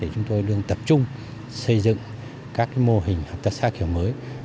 chúng tôi luôn tập trung xây dựng các mô hình hợp tác xã kiểu mới